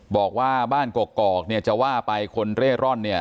บอกว่าบ้านกกอกจะว่าไปคนเร่อร่อน